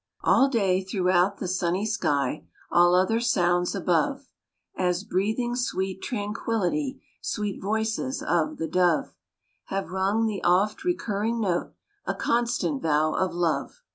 All day throughout the sunny sky, All other sounds above, As, breathing sweet tranquillity, Sweet voices of the dove Have rung the oft recurring note, A constant vow of love.